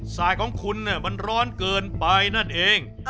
สายของคุณเนี่ยมันร้อนเกินไปนั่นเอง